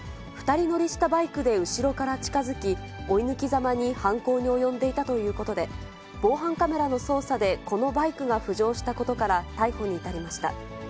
２人乗りしたバイクで後ろから近づき、追い抜きざまに犯行に及んでいたということで、防犯カメラの捜査でこのバイクが浮上したことから逮捕に至りました。